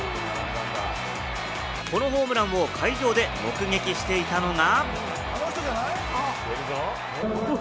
このホームランを会場で目撃していたのが。